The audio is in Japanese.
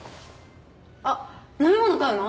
あっ飲み物買うの？